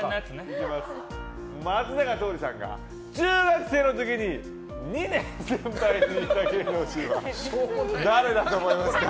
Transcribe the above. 松坂桃李さんが中学生の時に２年先輩にいた芸能人は誰だと思いますか？